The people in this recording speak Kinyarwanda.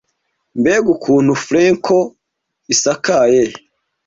Mbega ukuntu flukes isakaye!